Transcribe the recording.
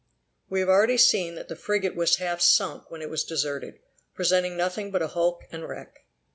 We have already seen, that the frigate was half sunk when it was deserted, presenting nothing but a hulk and wreck.